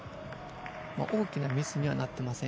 大きなミスにはなっていません。